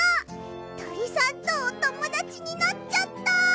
とりさんとおともだちになっちゃった！